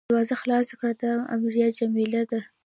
دروازه خلاصه کړه – دا امریه جمله ده.